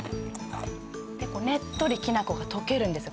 結構ねっとりきな粉が溶けるんですよ